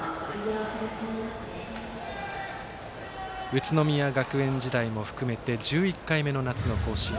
宇都宮学園時代も含めて１１回目の夏の甲子園。